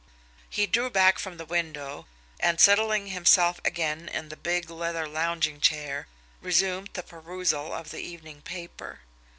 He drew back from the window, and, settling himself again in the big leather lounging chair, resumed the perusal of the evening paper.